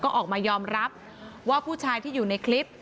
ก็ออกมายอมรับว่าผู้ชายที่อยู่ในคลิป